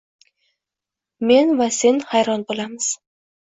Men va sen hayron bo‘lamiz.